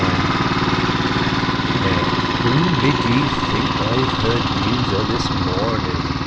XXIX "Now, who mid ye think I've heard news o' this morning?"